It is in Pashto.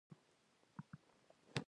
چین تولیداتو کې لومړی ځای خپل کړ.